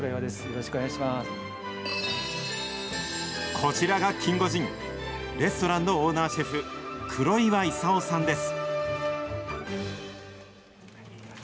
こちらがキンゴジン、レストランのオーナーシェフ、黒岩功さんです。